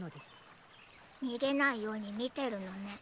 にげないようにみてるのね。